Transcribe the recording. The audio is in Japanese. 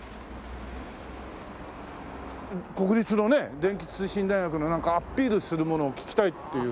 国立のね電気通信大学のなんかアピールするものを聞きたいっていう。